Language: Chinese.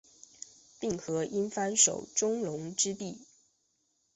并河因幡守宗隆之弟。